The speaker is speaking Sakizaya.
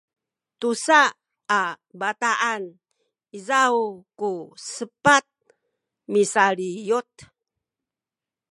tusa a bataan izaw ku sepat misaliyut